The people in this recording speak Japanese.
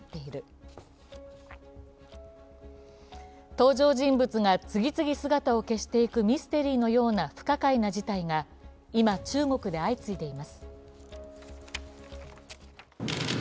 登場人物が次々姿を消していくミステリーのような不可解な事態が、今中国で相次いでいます。